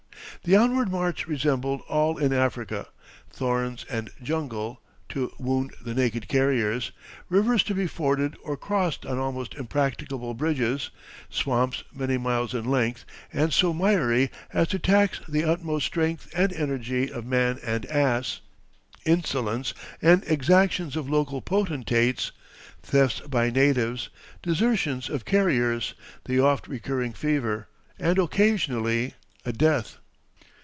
The onward march resembled all in Africa: thorns and jungle to wound the naked carriers, rivers to be forded or crossed on almost impracticable bridges, swamps many miles in length and so miry as to tax the utmost strength and energy of man and ass, insolence and exactions of local potentates, thefts by natives, desertions of carriers, the oft recurring fever, and occasionally a death.